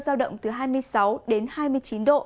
giao động từ hai mươi sáu đến hai mươi chín độ